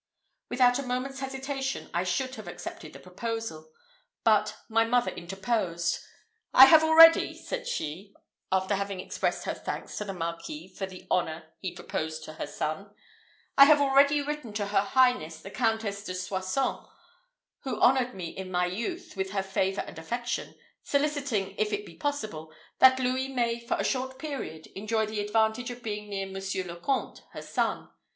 Without a moment's hesitation I should have accepted the proposal; but my mother interposed. "I have already," said she, after having expressed her thanks to the Marquis for the honour he proposed to her son "I have already written to her highness the Countess de Soissons, who honoured me in my youth with her favour and affection, soliciting, if it be possible, that Louis may, for a short period, enjoy the advantage of being near Monsieur le Comte, her son.